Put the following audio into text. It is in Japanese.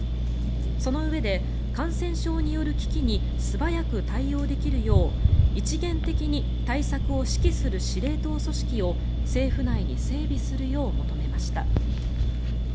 そのうえで感染症による危機に素早く対応できるよう一元的に対策を指揮する司令塔組織を政府内に整備するよう求めました。